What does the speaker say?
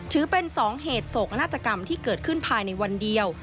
ถือเป็น๒เหตุโศกนาฏกรรมที่เกิดขึ้นภายในวันเดียว